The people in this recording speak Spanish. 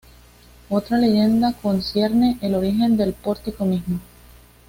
Otra leyenda concierne el origen del pórtico mismo.